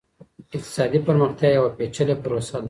اقتصادي پرمختیا یوه پېچلې پروسه ده.